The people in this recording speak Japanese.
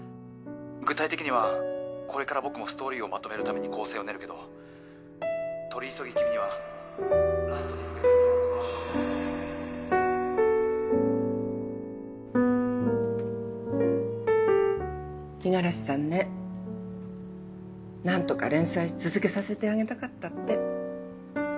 具体的にはこれから僕もストーリーをまとめるために構成を練るけど取り急ぎ君にはラストシーンのイメージを五十嵐さんねなんとか連載続けさせてあげたかったって。